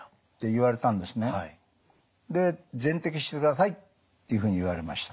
で全摘してくださいっていうふうに言われました。